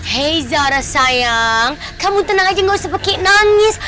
hei zara sayang kamu tenang aja gak usah pakai nangis